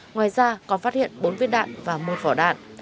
ngoài ra còn phát hiện bốn viên đạn và một vỏ đạn